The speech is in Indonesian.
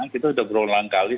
kita sudah berulang kali